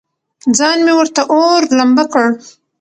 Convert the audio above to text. ځان مې ورته اور، لمبه کړ.